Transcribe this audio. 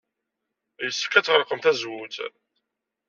Yessefk ad tɣelqemt tazewwut?